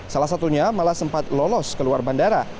salah satunya malah sempat lolos keluar bandara